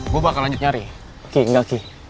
gue bakal lanjut nyari